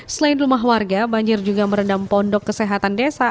selain rumah warga banjir juga merendam pondok kesehatan desa